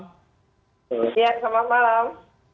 terima kasih ya selamat malam